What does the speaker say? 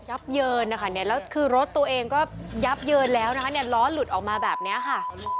เยินนะคะเนี่ยแล้วคือรถตัวเองก็ยับเยินแล้วนะคะเนี่ยล้อหลุดออกมาแบบนี้ค่ะ